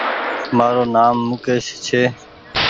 مآرو نآم مڪيش ڇي